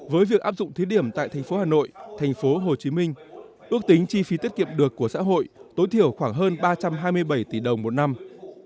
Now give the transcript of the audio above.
với việc áp dụng thí điểm tại thành phố hà nội thành phố hồ chí minh ước tính chi phí tiết kiệm được của xã hội tối thiểu khoảng hơn ba trăm hai mươi bảy tỷ đồng một năm